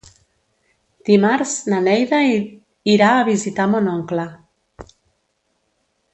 Dimarts na Neida irà a visitar mon oncle.